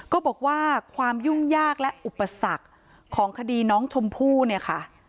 บอกว่าความยุ่งยากและอุปสรรคของคดีน้องชมพู่เนี่ยค่ะ